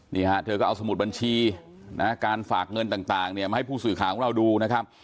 นี่ฮะเธอก็เอาสมุดบัญชีนะฮะการฝากเงินต่างเนี่ยมาให้ผู้สื่อข่าวของเราดูนะครับ